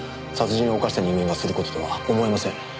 殺人を犯した人間がする事とは思えません。